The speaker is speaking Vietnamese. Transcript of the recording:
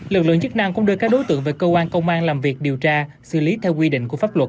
lực lượng chức năng cũng đưa các đối tượng về cơ quan công an làm việc điều tra xử lý theo quy định của pháp luật